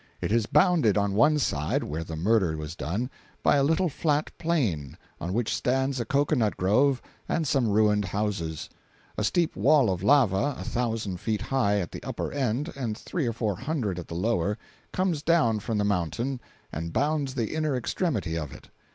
It is bounded on one side—where the murder was done—by a little flat plain, on which stands a cocoanut grove and some ruined houses; a steep wall of lava, a thousand feet high at the upper end and three or four hundred at the lower, comes down from the mountain and bounds the inner extremity of it.